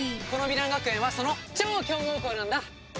この美南学園はその超強豪校なんだ！